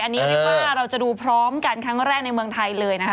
อันนี้เรียกว่าเราจะดูพร้อมกันครั้งแรกในเมืองไทยเลยนะคะ